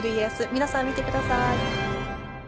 皆さん見てください！